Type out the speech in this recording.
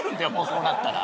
そうなったら。